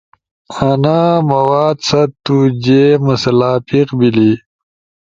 انا مواد ست تو جے مسئلہ پیخ بیلی؟